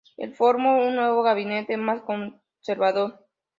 El formó un nuevo gabinete, más conservador.